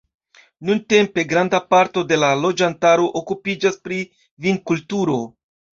Nuntempe granda parto de la loĝantaro okupiĝas pri vinkulturo.